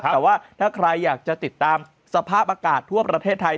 แต่ว่าถ้าใครอยากจะติดตามสภาพอากาศทั่วประเทศไทย